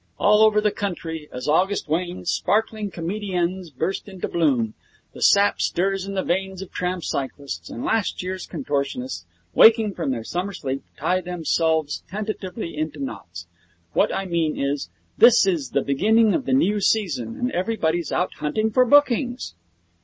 All over the country, as August wanes, sparkling comediennes burst into bloom, the sap stirs in the veins of tramp cyclists, and last year's contortionists, waking from their summer sleep, tie themselves tentatively into knots. What I mean is, this is the beginning of the new season, and everybody's out hunting for bookings.'